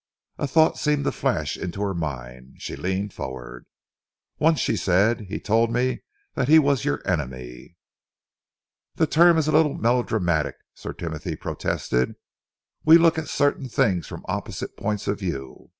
A thought seemed to flash into her mind. She leaned forward. "Once," she said, "he told me that he was your enemy." "The term is a little melodramatic," Sir Timothy protested. "We look at certain things from opposite points of view.